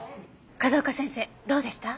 風丘先生どうでした？